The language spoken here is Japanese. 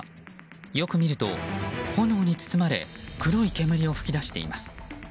よく見ると、炎に包まれ黒い煙を噴き出しています。